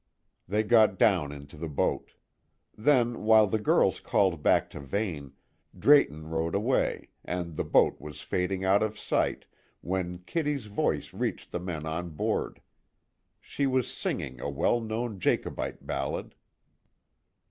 They got down into the boat. Then, while the girls called back to Vane, Drayton rowed away, and the boat was fading out of sight when Kitty's voice reached the men on board. She was singing a well known Jacobite ballad.